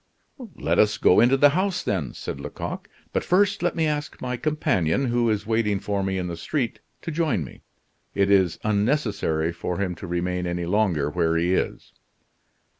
"Let us go into the house, then," said Lecoq. "But first let me ask my companion, who is waiting for me in the street, to join me. It is unnecessary for him to remain any longer where he is."